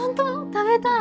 食べたい。